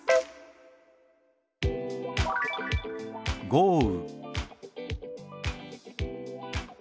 「豪雨」。